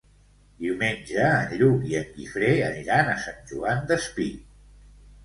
Diumenge en Lluc i en Guifré aniran a Sant Joan Despí.